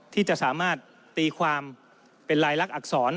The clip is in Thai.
ที่จะสามารถตีความเป็นลายลักษณอักษร